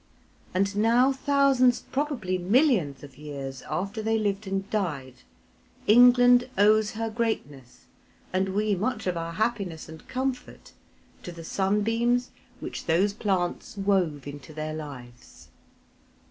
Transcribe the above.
And now thousands, probably millions, of years after they lived and died, England owes her greatness, and we much of our happiness and comfort, to the sunbeams which those plants wove into their lives.